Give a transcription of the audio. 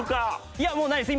いやもうないです。